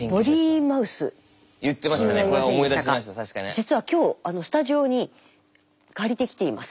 実は今日スタジオに借りてきています。